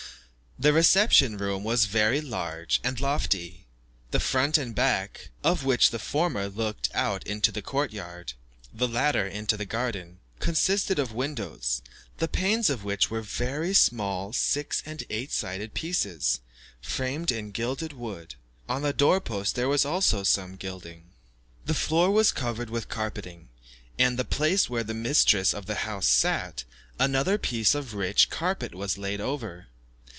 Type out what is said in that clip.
The reception room was very large and lofty; the front and back (of which the former looked out into the court yard, the latter into the garden), consisted of windows, the panes of which were in very small six and eight sided pieces, framed in gilded wood; on the door posts there was also some gilding. The floor was covered with carpeting; and at the place where the mistress of the house sat, another piece of rich carpet was laid over.